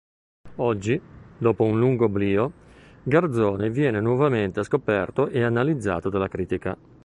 Oggi, dopo un lungo oblio, Garzoni viene nuovamente scoperto e analizzato dalla critica.